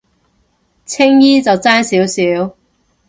青衣就爭少少